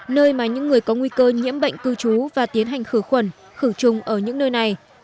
nơi mà những người có nguy cơ nhiễm bệnh cư trú và tiến hành khử khuẩn khử trùng ở những nơi này